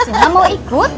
mas ina mau ikut